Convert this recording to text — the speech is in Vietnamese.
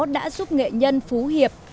đã giúp nghệ nhân phú hiệp